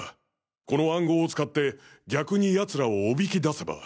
この暗号を使って逆に奴らをおびき出せば。